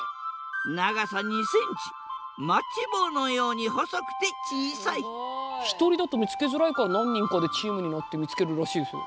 長さ２センチマッチ棒のように細くて小さい一人だと見つけづらいから何人かでチームになって見つけるらしいですよ。